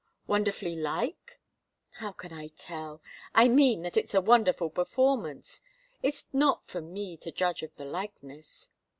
"Wonderfully like?" "How can I tell? I mean that it's a wonderful performance. It's not for me to judge of the likeness."